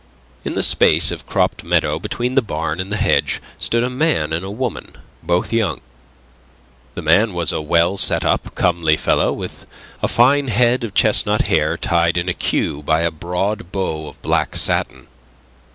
In the space of cropped meadow between the barn and the hedge stood a man and a woman, both young. The man was a well set up, comely fellow, with a fine head of chestnut hair tied in a queue by a broad bow of black satin.